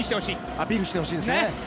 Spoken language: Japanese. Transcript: アピールしてほしいです。